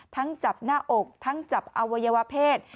จับหน้าอกทั้งจับอวัยวะเพศ